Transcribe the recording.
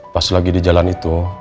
pas lagi di jalan itu